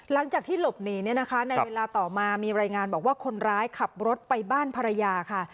หลังจากที่หลบหนี่รายงานว่าคนร้ายขับรถไปบ้านภรรยา